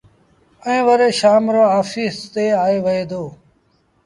ائيٚݩ وري شآم رو آڦيٚس تي آئي وهي دو۔